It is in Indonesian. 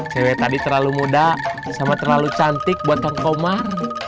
cewek tadi terlalu muda sama terlalu cantik buat kang komar